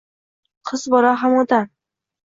Qiz bola ham odam.